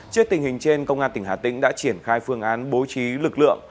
trước tình hình trên công an tỉnh hà tĩnh đã triển khai phương án bố trí lực lượng